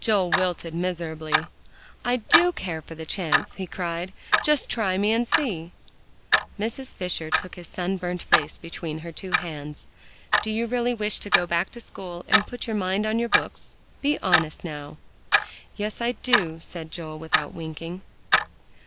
Joel wilted miserably. "I do care for the chance," he cried; "just try me, and see." Mrs. Fisher took his sunburnt face between her two hands. "Do you really wish to go back to school, and put your mind on your books? Be honest, now." "Yes, I do," said Joel, without winking.